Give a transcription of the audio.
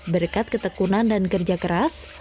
berkat ketekunan dan kerja keras